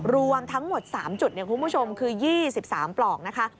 รวมทั้งหมด๓จุดคุณผู้ชมคือ๒๓ปลอกนะคะ